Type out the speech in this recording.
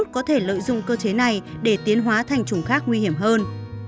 có thể lợi dụng cơ chế này để tiến hóa thành chủng khác nguy hiểm hơn